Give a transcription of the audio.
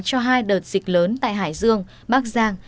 cho hai đợt dịch lớn tại hải dương bắc giang